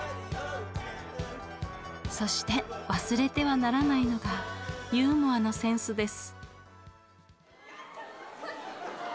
そして忘れてはならないのがユーモアのセンスです。